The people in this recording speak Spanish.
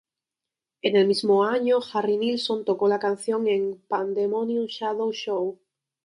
En el mismo año Harry Nilsson tocó la canción en "Pandemonium Shadow Show".